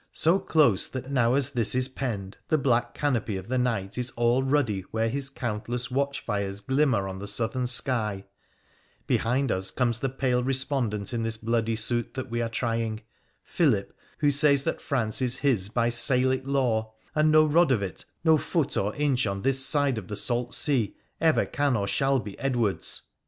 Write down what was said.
so close, that now as this is penned the black canopy of the night is all ruddy where his countless watchfires glimmer on the southern sky ; behind us comes the pale respondent in this bloody suit that we are trying —Philip, who says that France is his by Salic law, and no rod of it, no foot or inch on this side of the salt sea, ever can or shall be Edward's.